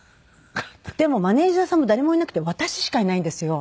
でもマネジャーさんも誰もいなくて私しかいないんですよ。